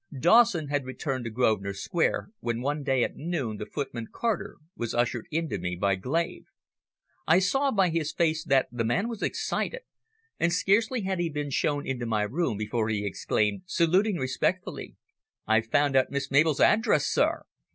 Dawson had returned to Grosvenor Square, when one day at noon the footman, Carter, was ushered in to me by Glave. I saw by his face that the man was excited, and scarcely had he been shown into my room before he exclaimed, saluting respectfully "I've found out Miss Mabel's address, sir!